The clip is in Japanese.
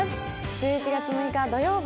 １１月６日土曜日